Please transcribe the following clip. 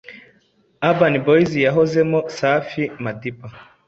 urban boyz yahozemo safi madiba,